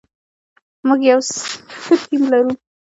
موږ یو ښه ټیم یو.